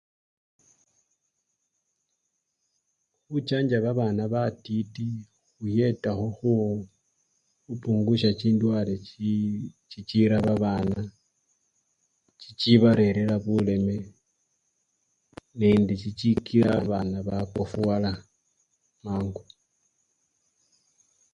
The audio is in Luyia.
Khuchanja babana batiti khuyetakho khu! khupungusya chindwale chi! chichira babana, chichibarerera buleme nende chichikila babana bakofuwala mangu.